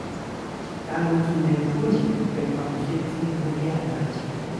การลงทุนในหุ้น เป็นความคิดที่ไม่แย่นัก